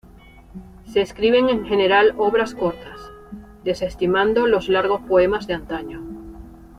Se escriben en general obras cortas, desestimando los largos poemas de antaño.